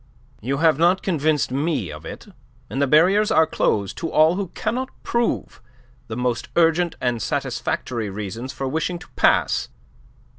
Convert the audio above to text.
"You have not convinced me of it, and the barriers are closed to all who cannot prove the most urgent and satisfactory reasons for wishing to pass.